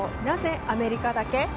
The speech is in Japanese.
なぜアメリカだけ？